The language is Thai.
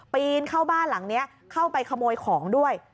ปีนเข้าบ้านหลังนี้เข้าไปขโมยของด้วย